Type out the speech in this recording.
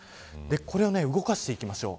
これを動かしていきましょう。